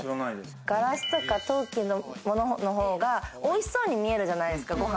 ガラスとか陶器のものの方が、おいしそうに見えるじゃないですか、ご飯。